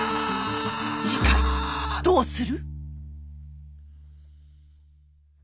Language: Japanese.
次回どうする？